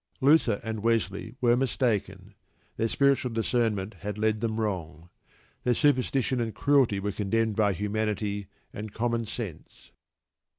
Luther and Wesley were mistaken: their spiritual discernment had led them wrong. Their superstition and cruelty were condemned by humanity and common sense.